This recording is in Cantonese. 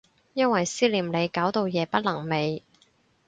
因為思念你搞到夜不能寐